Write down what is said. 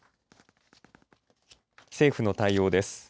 政府の対応です。